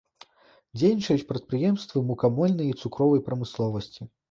Дзейнічаюць прадпрыемствы мукамольнай і цукровай прамысловасці.